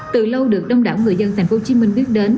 từ lâu được đông đảo người dân tp hcm biết đến